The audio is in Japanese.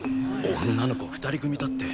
女の子２人組だって。